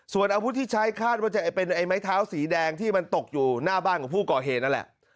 ส่วนอาวุธที่ใช้คาดว่าจะเป็นไอ้ไม้เท้าสีแดงที่มันตกอยู่หน้าบ้านของผู้ก่อเหตุนั่นแหละ